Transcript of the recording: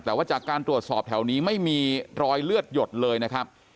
แต่ว่าจากการตรวจสอบแถวนี้ไม่มีรอยเลือดหยดเลยนะครับ